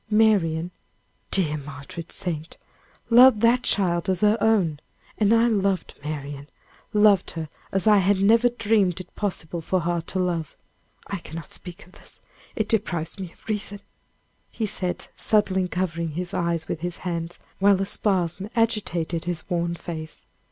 Marian dear martyred saint! loved that child as her own. And I loved Marian loved her as I had never dreamed it possible for heart to love I cannot speak of this! it deprives me of reason," he said, suddenly covering his eyes with his hands, while a spasm agitated his worn face.